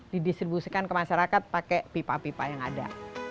didistribusikan ke masyarakat pakai pipa pipa yang ada